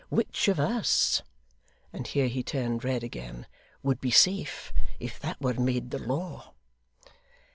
Which of us' and here he turned red again 'would be safe, if that were made the law!